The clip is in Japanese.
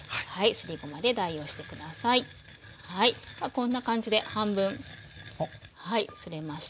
こんな感じで半分すれました。